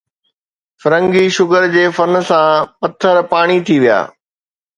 فرنگي شگر جي فن سان پٿر پاڻي ٿي ويا